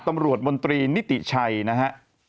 ตำรวจมนตรีนิติชัยนะฮะ